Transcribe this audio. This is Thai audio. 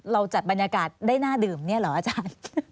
เราจัดบรรยากาศได้น่าดื่มเนี่ยเหรออาจารย์